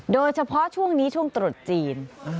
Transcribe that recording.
โดยเฉพาะช่วงนี้ช่วงตรุษจีน